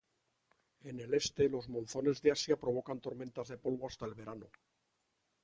En el este, los monzones de Asia provocan tormentas de polvo hasta en verano.